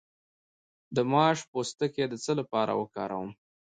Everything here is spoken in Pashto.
د ماش پوستکی د څه لپاره وکاروم؟